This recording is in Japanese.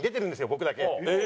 僕だけ。